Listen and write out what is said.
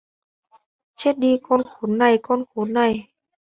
chết đi con khốn này con khốn này